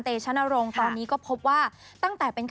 เต๋ชะนรงค์ตอนนี้ก็พบว่า